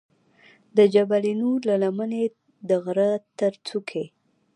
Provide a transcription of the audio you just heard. د جبل نور له لمنې د غره تر څوکې.